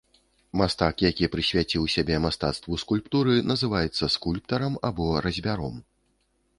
Мастак, які прысвяціў сябе мастацтву скульптуры, называецца скульптарам або разьбяром.